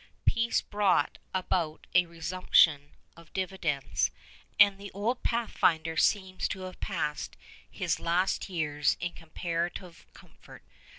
Peace brought about a resumption of dividends, and the old pathfinder seems to have passed his last years in comparative comfort.